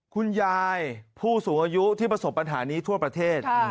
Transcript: คุณผู้ชมผู้สูงอายุที่ประสบปัญหานี้ทั่วประเทศ